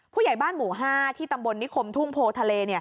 ผู้ใหญ่บ้านหมู่๕ที่ตำบลนิคมทุ่งโพทะเล